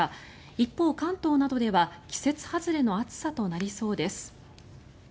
一方、関東などでは季節外れの暑さとなりそうです。